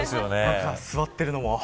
座っているのも。